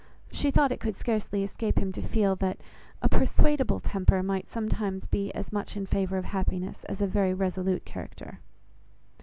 She thought it could scarcely escape him to feel that a persuadable temper might sometimes be as much in favour of happiness as a very resolute character.